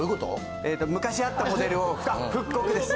昔あったモデルを復刻です。